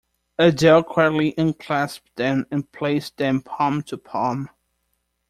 Adele quietly unclasped them and placed them palm to palm.